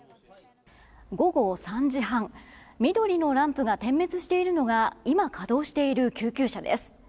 午後３時半緑のランプが点滅しているのが今、稼働している救急車です。